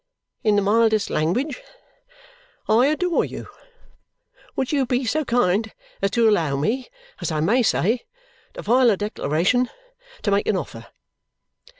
In the mildest language, I adore you. Would you be so kind as to allow me (as I may say) to file a declaration to make an offer!"